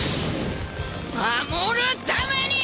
守るために！！